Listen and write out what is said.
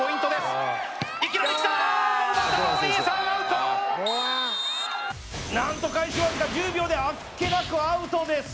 おばたのお兄さんアウト何と開始わずか１０秒であっけなくアウトです